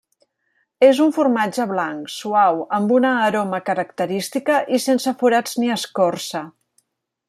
És un formatge blanc, suau, amb una aroma característica i sense forats ni escorça.